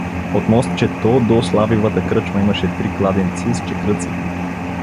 От мостчето до Славювата кръчма имаше три кладенци с чекръци.